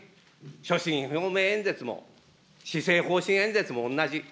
所信表明演説も、施政方針演説も同じ。